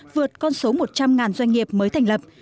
vượt con số một trăm linh doanh nghiệp mới thành lập